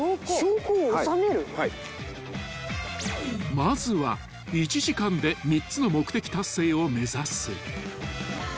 ［まずは１時間で３つの目的達成を目指す］